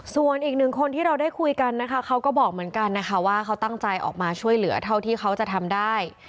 ส่วนอีกหนึ่งคนที่เราได้คุยกันนะคะเขาก็บอกเหมือนกันนะคะว่าเขาตั้งใจออกมาช่วยเหลือเท่าที่เขาจะทำได้